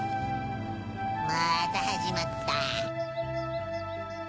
またはじまった。